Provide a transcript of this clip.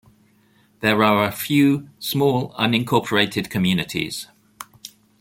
There are a few small unincorporated communities.